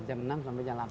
jam enam sampai jam delapan